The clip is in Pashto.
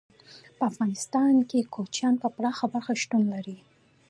په افغانستان کې کوچیان په پراخه کچه شتون لري.